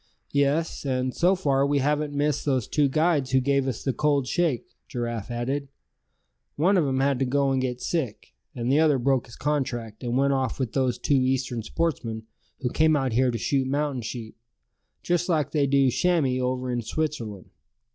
"Yes; and so far we haven't missed those two guides who gave us the cold shake," Giraffe added. "One of 'em had to go and get sick; and the other broke his contract, and went off with those two Eastern sportsmen who came out here to shoot mountain sheep, just like they do chamois over in Switzerland.